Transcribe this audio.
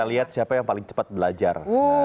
kita lihat siapa yang paling cepat belajar